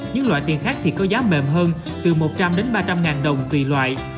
những loại tiền khác thì có giá mềm hơn từ một trăm linh đến ba trăm linh ngàn đồng tùy loại